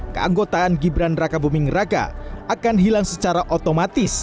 keanggotaan gibran raka buming raka akan hilang secara otomatis